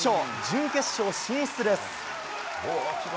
準決勝進出です。